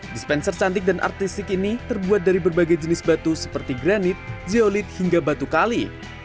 dispenser cantik dan artistik ini terbuat dari berbagai jenis batu seperti granit zeolit hingga batu kali